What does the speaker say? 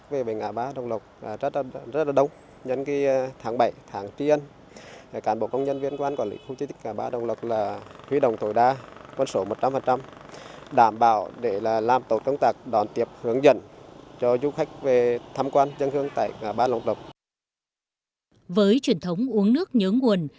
với truyền thống uống nước nhớ nguồn